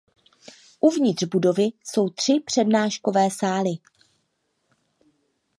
Uvnitř budovy jsou tři přednáškové sály.